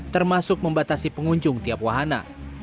termasuk membatasi pengunjung tiap wahana